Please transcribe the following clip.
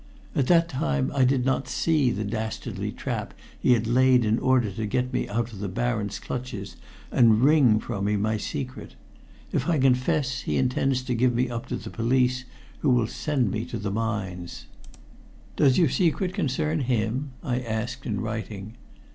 At that time I did not see the dastardly trap he had laid in order to get me out of the Baron's clutches and wring from me my secret. If I confess, he intends to give me up to the police, who will send me to the mines." "Does your secret concern him?" I asked in writing.